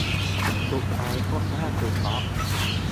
สุดท้ายพบว่าถูกบล็อค